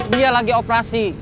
dia lagi operasi